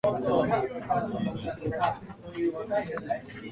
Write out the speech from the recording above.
She has also appeared in three "Playboy" videos.